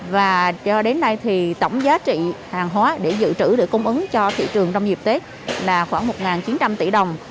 và cho đến nay thì tổng giá trị hàng hóa để dự trữ để cung ứng cho thị trường trong dịp tết là khoảng một chín trăm linh tỷ đồng